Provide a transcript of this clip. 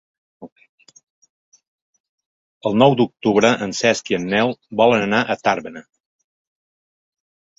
El nou d'octubre en Cesc i en Nel volen anar a Tàrbena.